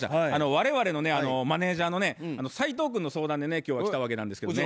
我々のねマネージャーのね斉藤君の相談でね今日は来たわけなんですけどね。